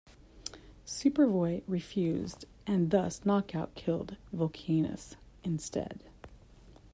Superboy refused, and thus Knockout killed Volcanus instead.